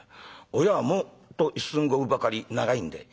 親はもっと１寸５分ばかり長いんで」。